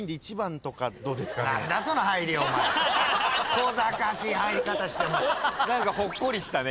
こざかしい入り方して。